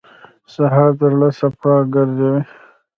سهار د زړه صفا ګرځوي.